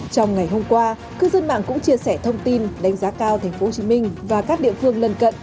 trong ngày hôm qua cư dân mạng cũng chia sẻ thông tin đánh giá cao tp hcm và các địa phương lân cận